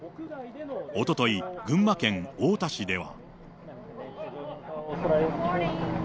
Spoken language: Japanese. おととい、群馬県太田市では。